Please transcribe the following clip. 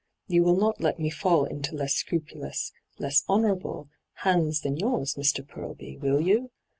You will not let me fall into less scrupulous, less honourable, hands than yours, Mr. Purlby, will you